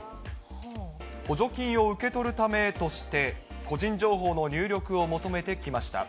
補助金を受け取るためとして、個人情報の入力を求めてきました。